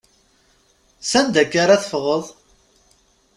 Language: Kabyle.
S anda akka ara teffɣeḍ?